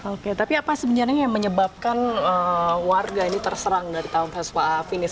oke tapi apa sebenarnya yang menyebabkan warga ini terserang dari tahun vespa afinish